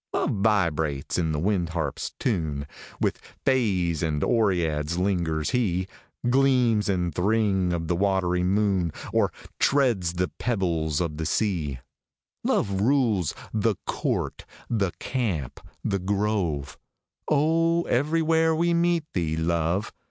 Love vibrates in the wind harp s tune With fays and oreads lingers he Gleams in th ring of the watery moon, Or treads the pebbles of the sea. Love rules " the court, the camp, the grove " Oh, everywhere we meet thee, Love